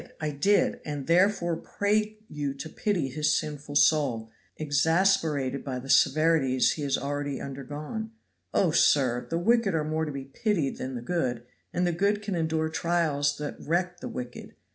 I did! and therefore pray you to pity his sinful soul, exasperated by the severities he has already undergone. Oh, sir! the wicked are more to be pitied than the good; and the good can endure trials that wreck the wicked.